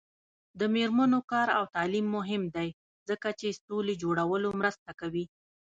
د میرمنو کار او تعلیم مهم دی ځکه چې سولې جوړولو مرسته کوي.